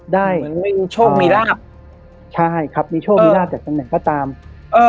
ได้เหมือนวิ่งโชคมีราปใช่ครับมีโชคมีราปแต่ทั้งหนึ่งก็ตามเออ